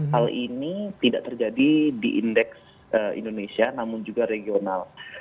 hal ini tidak terjadi di indeks indonesia namun juga regional